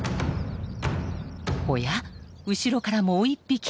おや後ろからもう１匹。